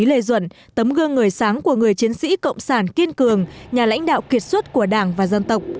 đồng chí lê duẩn tấm gương người sáng của người chiến sĩ cộng sản kiên cường nhà lãnh đạo kiệt xuất của đảng và dân tộc